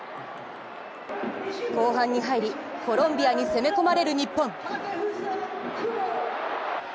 後半に入り、コロンビアに攻め込まれる日本。